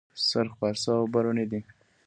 سرخ پارسا اوبه رڼې دي؟